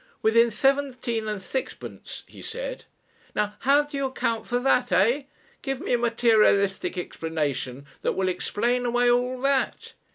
"Within seventeen and sixpence," he said. "Now how do you account for that, eh? Give me a materialistic explanation that will explain away all that.